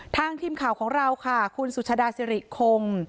ทางทีมข่าวของเราค์ซุชาดาซิริคโคม